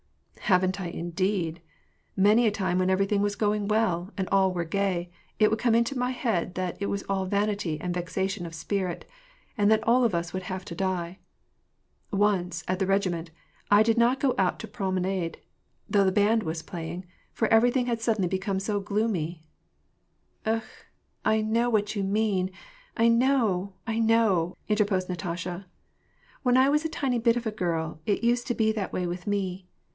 " Haven't I, indeed ! Many a time, when everything was going well, and all were gay, it would come into my head that it was all vanity and vexation of spirit, and that all of us would have to die. Once, at the regiment, I did not go out to prom enade, though the band was playing, for everything had sud denly become so gloomy "—" Akh ! I know what you mean ! I know ! I know !" inter posed Natasha. " When I was a tiny bit of a girl, it used to be that way with me.